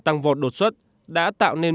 tăng vọt đột xuất đã tạo nên